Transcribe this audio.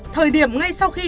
thời điểm ngay sau khi